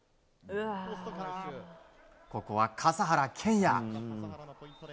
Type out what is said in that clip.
ここは笠原謙哉。